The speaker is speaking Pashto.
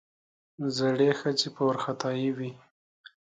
زړې ښځې په وارخطايي وې.